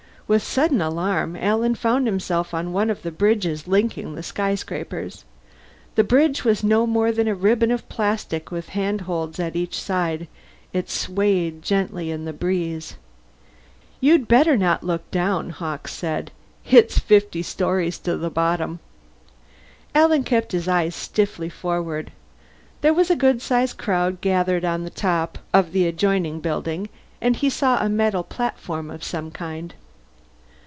With sudden alarm Alan found himself on one of the bridges linking the skyscrapers. The bridge was no more than a ribbon of plastic with handholds at each side; it swayed gently in the breeze. "You better not look down," Hawkes said. "It's fifty stories to the bottom." Alan kept his eyes stiffly forward. There was a good sized crowd gathered on the top of the adjoining building, and he saw a metal platform of some kind.